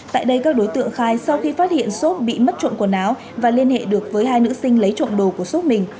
tại đây các đối tượng khai sau khi phát hiện xốp bị mất trộm quần áo và liên hệ được với hai nữ sinh lấy trộm đồ của xốp mình